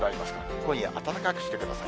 今夜、暖かくしてください。